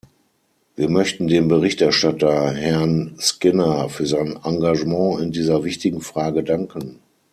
Wir möchten dem Berichterstatter, Herrn Skinner, für sein Engagement in dieser wichtigen Frage danken.